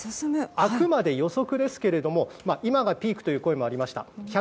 あくまで予測ですけれども今がピークという声もありました。